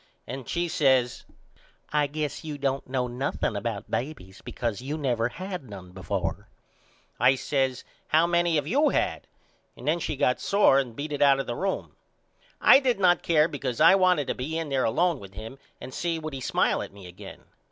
And she says I guess you don't know nothing about babys because you never had none before. I says How many have you had. And then she got sore and beat it out of the room. I did not care because I wanted to be in there alone with him and see would he smile at me again.